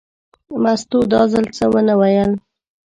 مستو دا ځل څه ونه ویل.